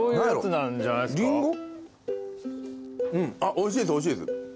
おいしいですおいしいです。